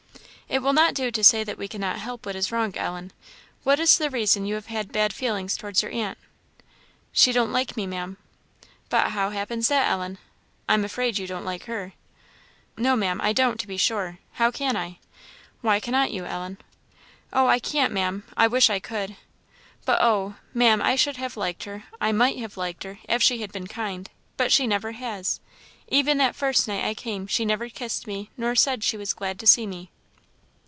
"It will not do to say that we cannot help what is wrong, Ellen. What is the reason that you have bad feelings towards your aunt?" "She don't like me, Maam." "But how happens that, Ellen? I am afraid you don't like her." "No, Maam, I don't to be sure; how can I?" "Why cannot you, Ellen?" "Oh, I can't, Maam! I wish I could. But, oh! Maam, I should have liked her I might have liked her, if she had been kind, but she never has. Even that first night I came she never kissed me nor said she was glad to see me."